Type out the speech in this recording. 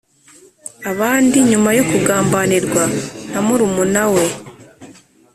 Abandi nyuma yo kugambanirwa na murumuna we